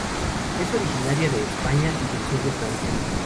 Es originaria de España y del sur de Francia.